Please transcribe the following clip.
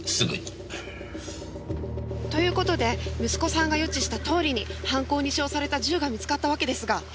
「という事で息子さんが予知したとおりに犯行に使用された銃が見つかったわけですが」